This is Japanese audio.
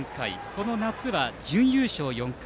この夏は準優勝４回。